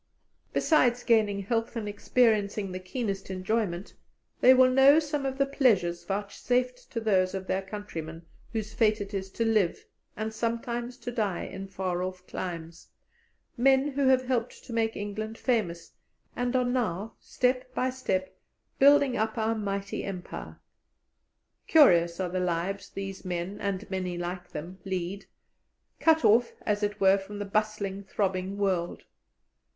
Besides gaining health and experiencing the keenest enjoyment, they will know some of the pleasures vouchsafed to those of their countrymen whose fate it is to live, and sometimes to die, in far off climes men who have helped to make England famous, and are now, step by step, building up our mighty Empire. Curious are the lives these men, and many like them, lead, cut off as it were from the bustling, throbbing world.